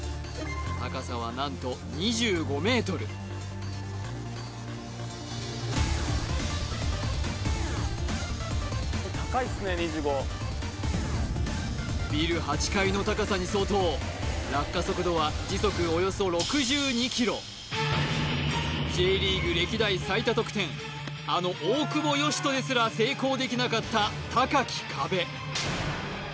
高さは何と２５ｍ高いっすね２５ビル８階の高さに相当落下速度はＪリーグ歴代最多得点あの大久保嘉人ですら成功できなかった高き壁